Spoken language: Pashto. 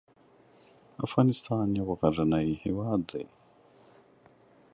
افغانستان یو غرنی هیواد دی